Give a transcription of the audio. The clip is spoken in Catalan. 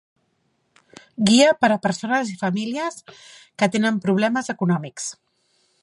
Guia per a persones i famílies que tenen problemes econòmics.